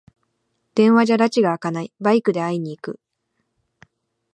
電話じゃらちがあかない、バイクで会いに行く